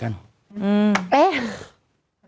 มันใช่เวย์หรอไหม